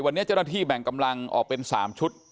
วันนี้เจ้าหน้าที่แบ่งกำลังออกเป็น๓ชุด